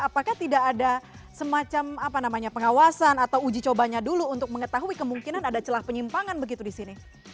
apakah tidak ada semacam pengawasan atau uji cobanya dulu untuk mengetahui kemungkinan ada celah penyimpangan begitu di sini